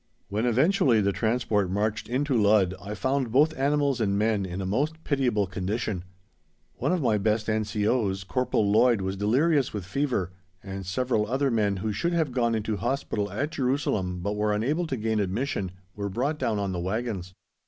When eventually the transport marched in to Ludd I found both animals and men in a most pitiable condition. One of my best N.C.O.s, Corporal Lloyd, was delirious with fever, and several other men who should have gone into Hospital at Jerusalem but were unable to gain admission were brought down on the wagons.